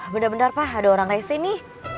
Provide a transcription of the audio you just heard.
bentar bentar pa ada orang kayak sini